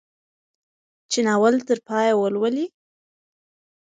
چې ناول تر پايه ولولي.